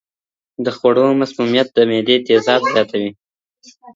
د خوړو مسمومیت د معدې تېزاب زیاتوي.